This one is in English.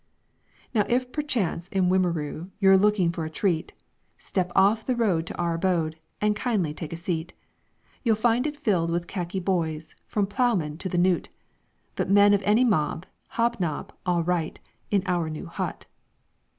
_ _"Now if perchance in Wimereux You're looking for a treat, Step off the road to our abode And kindly take a seat. You'll find it filled with khaki boys, From ploughman to the knut. But men of any mob, hob nob Alright, in OUR NEW HUT.